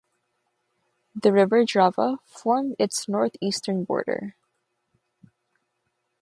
The river Drava formed its northeastern border.